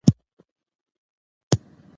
دی لا هم کار کوي.